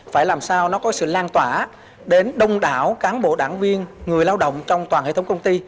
phải làm sao nó có sự lan tỏa đến đông đảo cán bộ đảng viên người lao động trong toàn hệ thống công ty